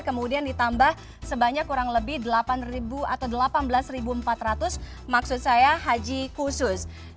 kemudian ditambah sebanyak kurang lebih delapan atau delapan belas empat ratus maksud saya haji khusus